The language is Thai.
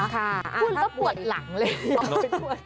คุณก็ปวดหลังเลย